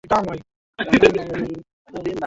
La mama li tamu.